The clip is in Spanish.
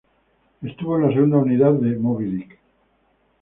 Estuvo en la segunda unidad de "Moby Dick".